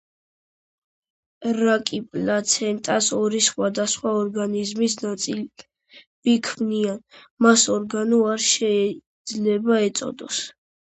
რაკი პლაცენტას ორი სხვადასხვა ორგანიზმის ნაწილები ქმნიან, მას ორგანო არ შეიძლება ეწოდოს.